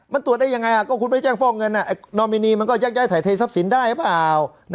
มันตรวจได้ยังไงอ่ะก็คุณไม่แจ้งฟอกเงินน่ะไอ้โนมินีมันก็ยักษ์ยักษ์ถ่ายเทสับสินได้หรือเปล่า